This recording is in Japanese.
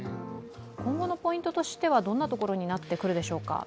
今後のポイントとしては、どんなところになってくるでしょうか？